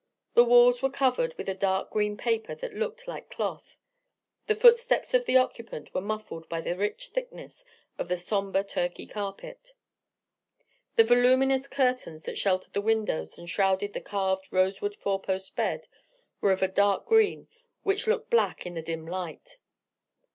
The walls were covered with a dark green paper that looked like cloth. The footsteps of the occupant were muffled by the rich thickness of the sombre Turkey carpet. The voluminous curtains that sheltered the windows, and shrouded the carved rosewood four post bed, were of a dark green, which looked black in the dim light.